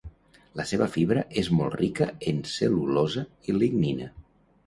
La seva fibra és molt rica en cel·lulosa i lignina.